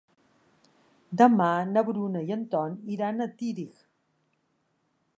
Demà na Bruna i en Ton iran a Tírig.